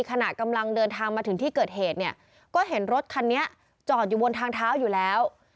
ขณะกำลังเดินทางมาถึงที่เกิดเหตุเนี่ยก็เห็นรถคันนี้จอดอยู่บนทางเท้าอยู่แล้ว